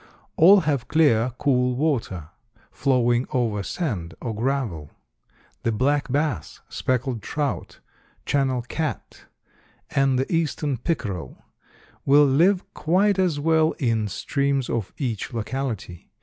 All have clear, cool water, flowing over sand or gravel. The black bass, speckled trout, channel cat, and the eastern pickerel will live quite as well in streams of each locality.